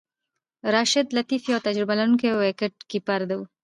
راشد لطيف یو تجربه لرونکی وکټ کیپر وو.